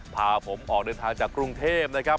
พาผมออกเดินทางจากกรุงเทพนะครับ